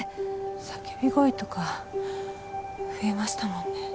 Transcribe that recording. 叫び声とか増えましたもんね。